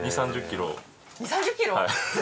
２０３０キロ！？